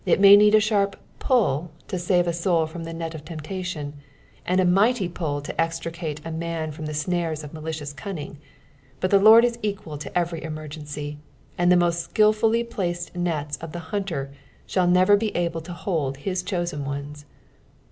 may need a sharp putt to save a soul from the net of temptation, and n mighty pull to extiicatc a man from the snares of malicious cunning, but the Lord is equal to every emergency, and the most skilfully placed nets of the hunter shall never be able to hold his chosen ones.